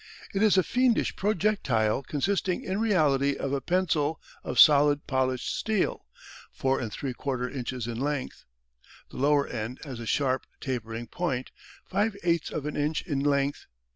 It is a fiendish projectile consisting in reality of a pencil of solid polished steel, 4 3/4 inches in length. The lower end has a sharp tapering point, 5/8ths of an inch in length.